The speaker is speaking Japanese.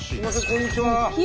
こんにちは。